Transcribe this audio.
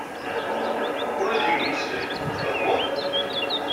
Ula d yiwen umeslay, tfehmeḍ?